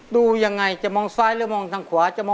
เดินหน้าต่อเล่นนะครับ